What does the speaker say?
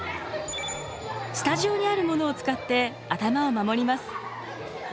スタジオにあるものを使って頭を守ります。